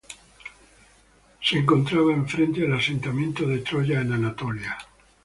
Se encontraba enfrente del asentamiento de Troya en Anatolia.